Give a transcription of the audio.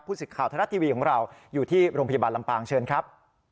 ผู้สื่อข่าวทะเลาะทีวีของเราอยู่ที่โรงพยาบาลลำปางเชิญครับ